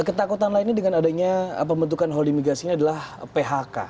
ketakutan lainnya dengan adanya pembentukan holding migas ini adalah phk